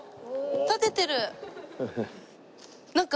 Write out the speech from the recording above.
立ててる。